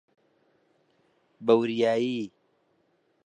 بەوریایی!